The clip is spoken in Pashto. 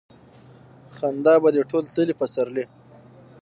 خندا به دې ټول تللي پسرلي